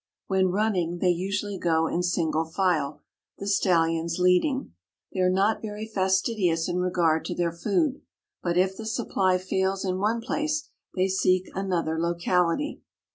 When running, they usually go in single file, the stallions leading. They are not very fastidious in regard to their food, but if the supply fails in one place they seek another locality.